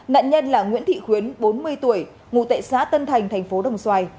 nạn nhân là nguyễn thị khuyến bốn mươi tuổi ngụ tệ xá tân thành tp đồng xoài